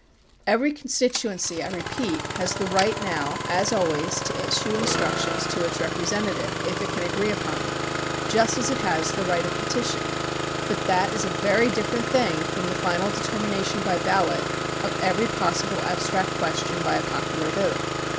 Every constituency, I repeat, has the right now, as always, to issue instructions to its representative if it can agree upon them, just as it has the right of petition; but that is a very different thing from the final deter mination by ballot of every possible abstract question by a popular vote.